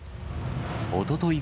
おととい